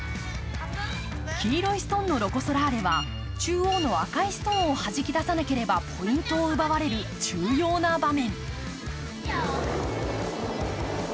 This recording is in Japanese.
黄色いストーンのロコ・ソラーレは中央の赤いストーンをはじき出さなければポイントを奪われる重要な場面。